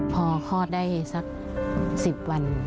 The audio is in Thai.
พอคลอดได้สัก๑๐วัน